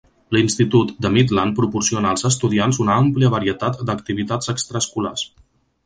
L'institut de Midland proporciona als estudiants una àmplia varietat d'activitats extraescolars.